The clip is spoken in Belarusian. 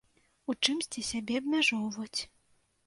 У чымсьці сябе абмяжоўваць.